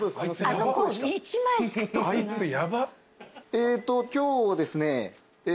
えっと今日ですねえ